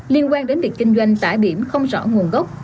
với quan đến việc kinh doanh tải biểm không rõ nguồn gốc